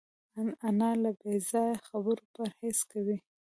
انا له بېځایه خبرو پرهېز کوي